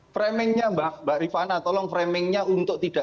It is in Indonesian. framingnya mbak mbak rifana tolong framingnya untuk tidak